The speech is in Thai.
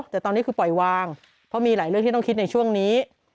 แต่ตอนนี้คือปล่อยวางเพราะมีหลายเรื่องที่ต้องคิดในช่วงนี้